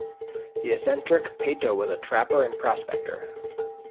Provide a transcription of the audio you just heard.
The eccentric Peyto was a trapper and prospector.